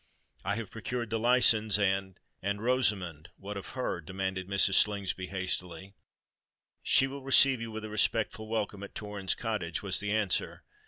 "I have procured the license; and——" "And Rosamond—what of her?" demanded Mrs. Slingsby hastily. "She will receive you with a respectful welcome at Torrens Cottage," was the answer.